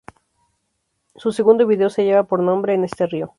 Su segundo vídeo lleva por nombre "En Este Río".